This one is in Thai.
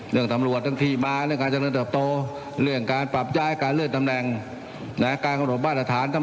การทำรวจตั้งที่มาเรื่องการเจริญตกลับโต